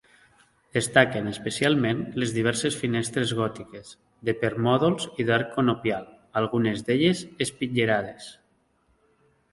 Destaquen especialment les diverses finestres gòtiques, de permòdols i d'arc conopial, algunes d'elles espitllerades.